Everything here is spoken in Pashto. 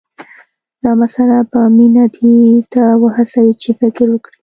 دا مسله به مينه دې ته وهڅوي چې فکر وکړي